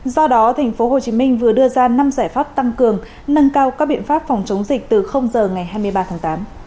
do đó tp hcm vừa đưa ra năm giải pháp tăng cường nâng cao các biện pháp phòng chống dịch từ giờ ngày hai mươi ba tháng tám